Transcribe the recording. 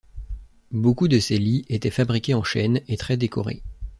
Beaucoup de ces lits étaient fabriqués en chêne et très décorés.